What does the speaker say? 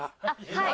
はい。